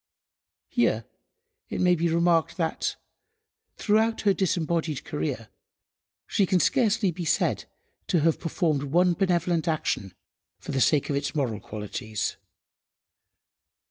Here it may be remarked that, throughout her disembodied career, she can scarcely be said to have performed one benevolent action for the sake of its moral qualities.